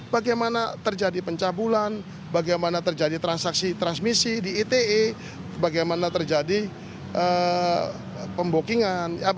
bagaimana terjadi pencabulan bagaimana terjadi transaksi transmisi di ite bagaimana terjadi pembokingan